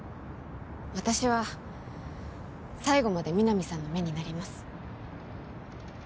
私は最後まで皆実さんの目になります